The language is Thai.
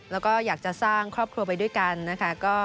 แล้วก็อยากจะสร้างครอบครัวไปด้วยกันนะคะ